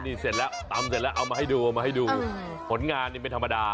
นี่เสร็จแล้วตำเสร็จแล้วเอามาให้ดูเอามาให้ดูผลงานนี่ไม่ธรรมดา